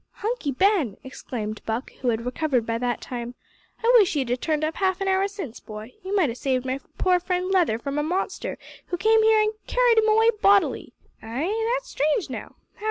"Hunky Ben!" exclaimed Buck, who had recovered by that time. "I wish you had turned up half an hour since, boy. You might have saved my poor friend Leather from a monster who came here and carried him away bodily." "Ay? That's strange, now.